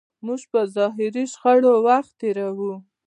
موږ په ظاهري شخړو وخت تېروو.